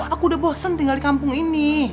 aku udah bosen tinggal di kampung ini